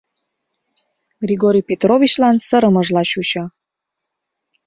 Григорий Петровичлан сырымыжла чучо.